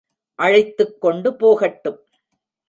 அழைத்துக் கொண்டு போகட்டும்.